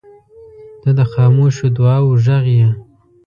• ته د خاموشو دعاوو غږ یې.